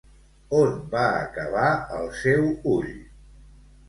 On va acabar el seu ull?